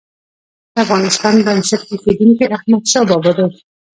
د افغانستان بنسټ ايښودونکی احمدشاه بابا دی.